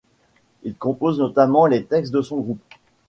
Il compose notamment les textes de son groupe.